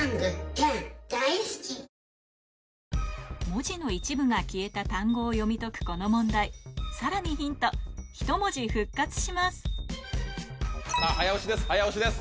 文字の一部が消えた単語を読み解くこの問題さらにヒントさぁ早押しです